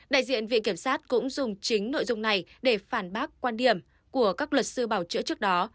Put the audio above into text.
đại diện viện kiểm sát cũng dùng chính nội dung này để phản bác quan điểm của các luật sư bảo chữa trước đó